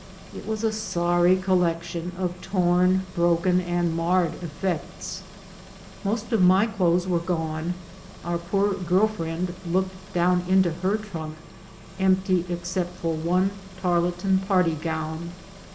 It was a sorry collection of torn, broken, and marred effects ! Most of my clothes were gone. Our poor girl friend looked down into her trunk, empty except for one tarlatan party gown.